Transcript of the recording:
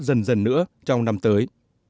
dần dần nữa trong năm tới